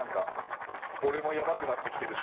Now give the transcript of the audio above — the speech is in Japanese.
俺もヤバくなって来てるし。